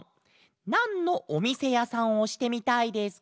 「なんのおみせやさんをしてみたいですか？」。